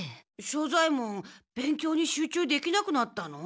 庄左ヱ門勉強に集中できなくなったの？